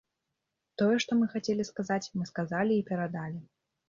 Тое, што мы хацелі сказаць, мы сказалі і перадалі.